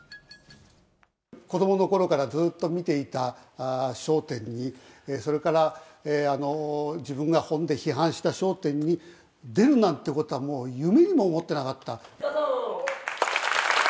子どものころからずっと見ていた笑点に、それから、自分が本で批判した笑点に、出るなんてことは、もう、夢にも思ってなかった。